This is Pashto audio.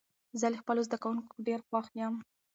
زه له خپلو زده کوونکو ډېر خوښ يم.